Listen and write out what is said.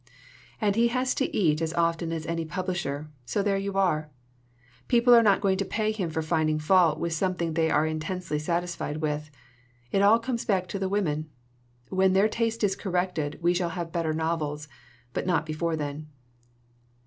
"And he has to eat as often as any publisher. So there you are! People are not going to pay him for finding fault with something they are intensely satisfied with. It all comes back to the women. When their taste is corrected we shall have better novels. But not before then!"